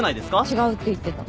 違うって言ってた。